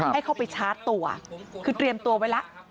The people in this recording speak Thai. ให้เข้าไปชาร์จตัวคือเตรียมตัวไว้แล้ว